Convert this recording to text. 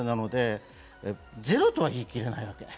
ゼロとは言い切れない。